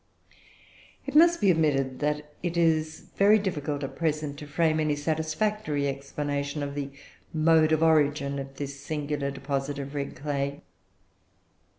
It must be admitted that it is very difficult, at present, to frame any satisfactory explanation of the mode of origin of this singular deposit of red clay.